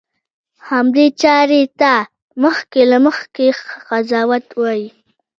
همدې چارې ته مخکې له مخکې قضاوت وایي.